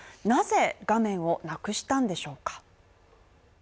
なぜ画面をなくしたんでしょうか。